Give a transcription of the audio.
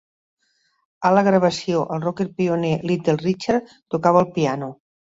Ala gravació, el rocker pioner Little Richard tocava el piano.